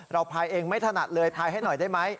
ภายเองไม่ถนัดเลยพายให้หน่อยได้ไหม